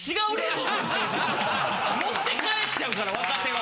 持って帰っちゃうから若手は。